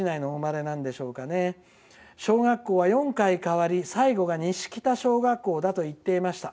小学校は４回変わり最後は、西北小学校だと言っていました」。